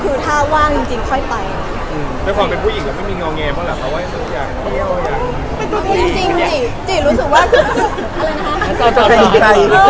คือถ้าว่างจริงจริงค่อยไปอืมแต่ของเป็นผู้หญิงก็ไม่มีงอแงบเหรอ